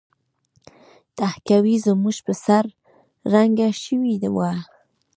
تهکوي زموږ په سر ړنګه شوې وه